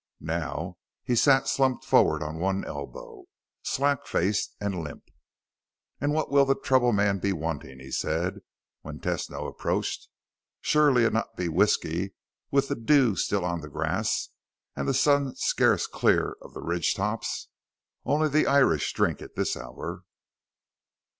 Now he sat slumped forward on one elbow, slack faced and limp. "And what'll the trouble man be wanting?" he said when Tesno approached. "Surely it'll not be whisky with the dew still on the grass and the sun scarce clear of the ridgetops. Only the Irish drink at this hour."